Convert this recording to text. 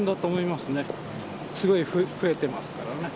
すごい増えてますからね。